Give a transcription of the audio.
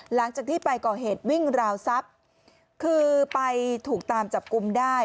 หลังจากที่ไปก่อเหตุวิ่งราวทรัพย์คือไปถูกตามจับกลุ่มได้